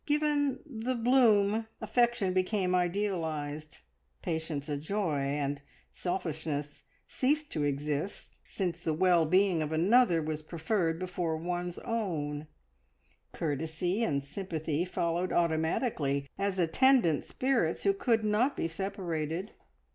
Given "the bloom," affection became idealised, patience a joy, and selfishness ceased to exist, since the well being of another was preferred before one's own; courtesy and sympathy followed automatically, as attendant spirits who could not be separated.